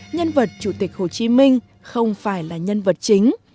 nhân vật chủ tịch hồ chí minh không phải là nhân vật chính